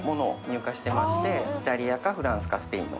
イタリアかフランスかスペインの。